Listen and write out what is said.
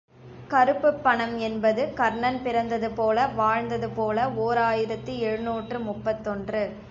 கருப்புப்பணம் என்பது கர்ணன் பிறந்தது போல வாழ்ந்தது போல ஓர் ஆயிரத்து எழுநூற்று முப்பத்தொன்று.